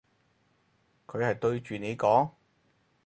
佢係對住你講？